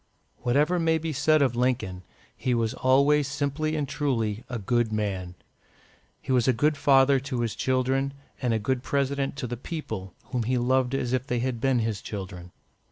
Whatever may be said of Lincoln, he was always simply and truly a good man. He was a good father to his children, and a good President to the people, whom he loved as if they had been his children.